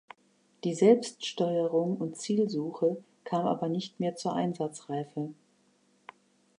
Die Selbststeuerung und Zielsuche kam aber nicht mehr zur Einsatzreife.